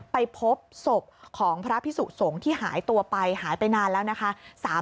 ไปพบศพของพระพิสุสงฆ์ที่หายตัวไปหายไปนานแล้วนะคะ